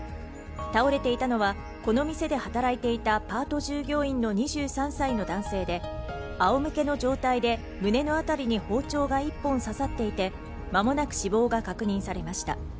倒れていたのは、この店で働いていたパート従業員の２３歳の男性であおむけの状態で胸の辺りに包丁が１本刺さっていて、まもなく死亡が確認されました。